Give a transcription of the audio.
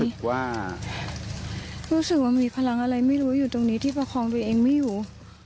รู้สึกว่ารู้สึกว่ามีพลังอะไรไม่รู้อยู่ตรงนี้ที่ประคองตัวเองไม่อยู่